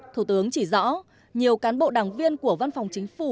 thủ tướng chỉ rõ nhiều cán bộ đảng viên của văn phòng chính phủ